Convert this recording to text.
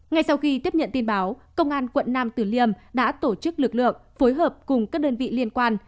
ngay sau khi tiếp nhận tin báo công an quận nam tử liêm đã tổ chức lực lượng phối hợp cùng các đơn vị liên quan